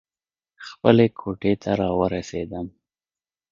خپلې کوټې ته راورسېدم.